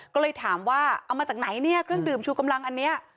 ก็เลยถามว่าเอามาจากไหนเนี่ยเครื่องดื่มชูกำลังอันนี้